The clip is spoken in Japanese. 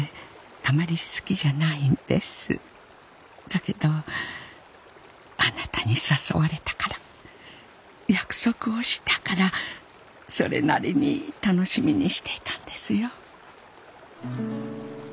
だけどあなたに誘われたから約束をしたからそれなりに楽しみにしていたんですよ。